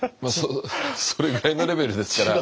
それぐらいのレベルですから。